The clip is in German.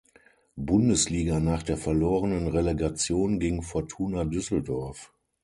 Bundesliga nach der verlorenen Relegation gegen Fortuna Düsseldorf.